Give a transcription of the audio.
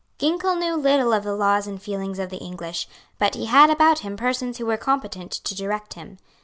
Ginkell knew little of the laws and feelings of the English; but he had about him persons who were competent to direct him.